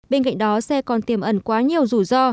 bên cạnh đó xe còn tiềm ẩn quá nhiều rủi ro